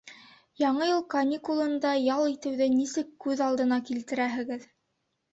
Яңы йыл каникулында ял итеүҙе нисек күҙ алдына килтерәһегеҙ?